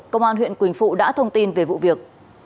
công an huyện quỳnh phụ đã thông tin về vụ việc